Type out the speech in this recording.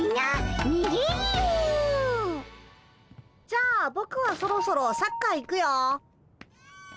じゃあぼくはそろそろサッカー行くよ。